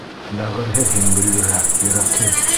Бәғерһеҙ һин, Гөллирә, йөрәкһеҙ!